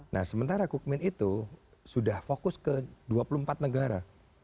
nah sementara kukmin itu sudah fokus ke dua puluh empat negara